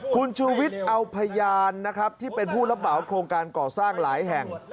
คุณชูวิทย์เอาพยานนะครับที่เป็นผู้รับเหมาโครงการก่อสร้างหลายแห่ง